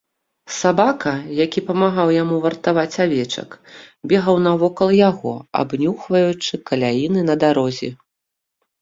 Сабака, які памагаў яму вартаваць авечак, бегаў навокал яго, абнюхваючы каляіны на дарозе.